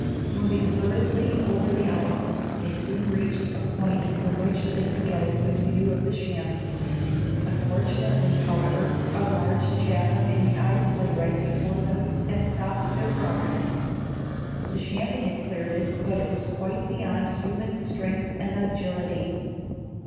Moving hurriedly over the ice, they soon reached a point from which they could get a good view of the chamois. Unfortunately, however, a large chasm in the ice lay right before them, and stopped their progress. The chamois had cleared it, but it was quite beyond human strength and agility.